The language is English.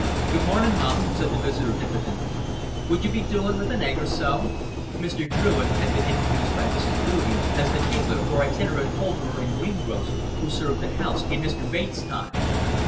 "Good mornin', mum," said the visitor, diffidently. "Would you be doing with an egg or so?" Mr. Druitt had been introduced by Mrs. Goudie as the higgler, or itinerant poulterer and greengrocer, who served the house in Mr. Bates' time.